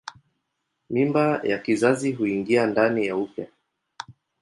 Mimba ya kizazi huingia ndani ya uke.